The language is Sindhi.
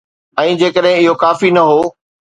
۽ جيڪڏهن اهو ڪافي نه هو.